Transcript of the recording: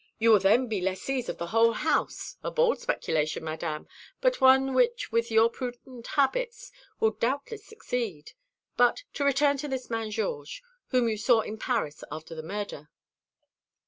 "You will then be lessees of the whole house; a bold speculation, Madame, but one which with your prudent habits will doubtless succeed. But to return to this man Georges, whom you saw in Paris after the murder."